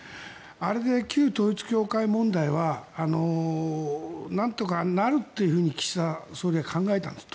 あれで旧統一教会問題はなんとかなるというふうに岸田総理は考えたんです。